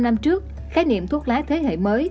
năm trước khái niệm thuốc lá thế hệ mới